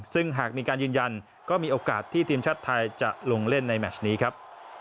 ซึ่งหากมีการยืนยันก็มีโอกาสที่ทีมชาติไทยจะลงเล่นในแมชนี้ครับ